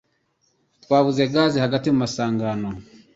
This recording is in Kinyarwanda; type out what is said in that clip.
Twabuze gaze hagati mu masangano